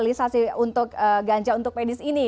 hingga bisa membuka legalisasi ganja untuk pedis ini